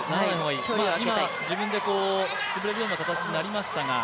今、自分で潰れるような形になりましたが。